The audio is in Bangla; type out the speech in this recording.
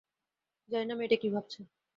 জানি না মেয়েটা কী ভাবছে।